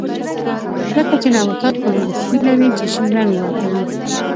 ځکه چې نباتات کلوروفیل لري چې شین رنګ ورکوي